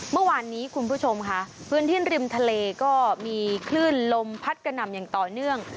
เมื่อวานนี้คุณผู้ชมค่ะพื้นที่ริมทะเลก็มีคลื่นลมพัดกระหน่ำอย่างต่อเนื่อง